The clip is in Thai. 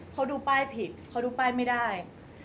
เขาดูป้ายผิดเขาดูป้ายไม่ได้